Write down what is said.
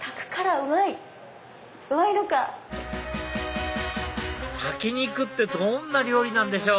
うまいのか⁉炊き肉ってどんな料理なんでしょう？